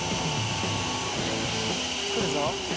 来るぞ。